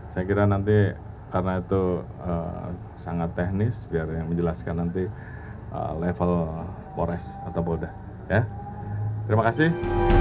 saya kira nanti karena itu sangat teknis biar menjelaskan nanti level kores atau bodah